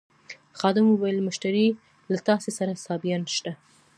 خادم وویل مشرې له تاسي سره سایبان شته.